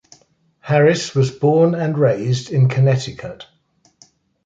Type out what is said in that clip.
Harris was born and raised in Connecticut.